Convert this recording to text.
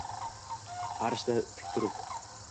Arshda tik turib.